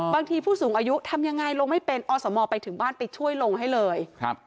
ผู้สูงอายุทำยังไงลงไม่เป็นอสมไปถึงบ้านไปช่วยลงให้เลยครับ